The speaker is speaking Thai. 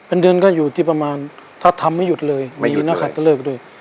เป็นเดือนก็อยู่ที่ประมาณถ้าทำไม่หยุดเลยไม่หยุดเลยมีหน้าขัดเต้าเลิกด้วย